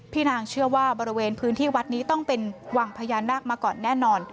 นางเชื่อว่าบริเวณพื้นที่วัดนี้ต้องเป็นวังพญานาคมาก่อนแน่นอน